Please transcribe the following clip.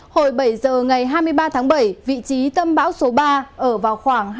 hồi bảy giờ ngày hai mươi ba tháng bảy vị trí tâm báo ở vào khoảng